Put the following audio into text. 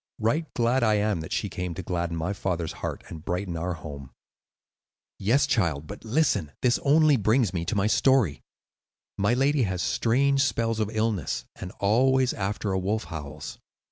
Right glad am I that she came to gladden my father's heart and brighten our home." "Yes, child, but listen; this only brings me to my story. My lady has strange spells of illness, and always after a wolf howls."